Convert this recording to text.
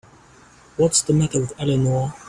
What's the matter with Eleanor?